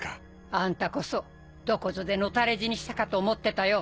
あんたこそどこぞで野垂れ死にしたかと思ってたよ。